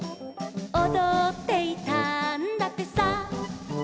「おどっていたんだってさ」